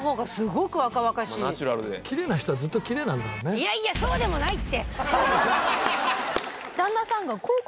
いやいやそうでもないって！